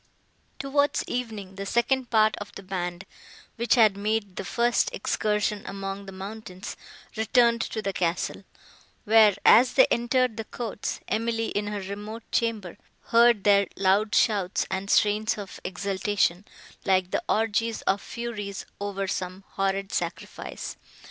Towards evening, the second part of the band, which had made the first excursion among the mountains, returned to the castle, where, as they entered the courts, Emily, in her remote chamber, heard their loud shouts and strains of exultation, like the orgies of furies over some horrid sacrifice.